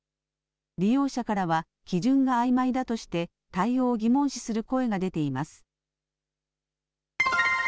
利用者からは基準があいまいだとして、対応を疑問視する声が出ています。